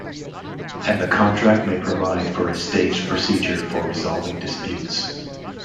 And the contract may provide for a staged procedure for resolving disputes.